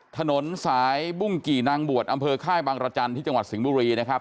ถนนสายบุ้งกี่นางบวชอำเภอค่ายบางรจันทร์ที่จังหวัดสิงห์บุรีนะครับ